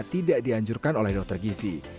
tidak dianjurkan oleh dokter gizi